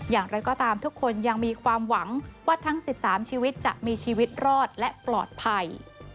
อย่างไรก็ตามทุกคนยังมีความหวังว่าทั้ง๑๓ชีวิตจะมีชีวิตรอดและปลอดภัย